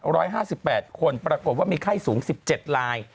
ร้อยห้าสิบแปดคนปรากฏว่ามีไข้สูงสิบเจ็ดลาย